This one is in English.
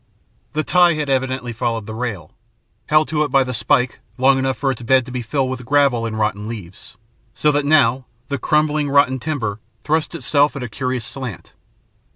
The tie had evidently followed the rail, held to it by the spike long enough for its bed to be filled with gravel and rotten leaves, so that now the crumbling, rotten timber thrust itself up at a curious slant.